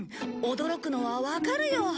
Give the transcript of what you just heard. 驚くのはわかるよ。